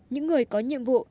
những người có nhiệm vụ